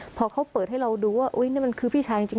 พอเขาเปิดให้เราดูว่านี่มันคือพี่ชายจริง